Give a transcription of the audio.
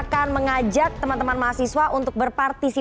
pandangan anda bagaimana secara milenial sini